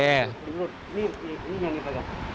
ini yang dipegang